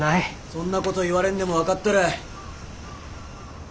そんなこと言われんでも分かっとる。